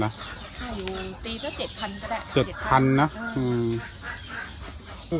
ถ้าเกี่ยุงตีต้องเจ็ดพันธุ์ก็ได้๗พันธุ์นะอืม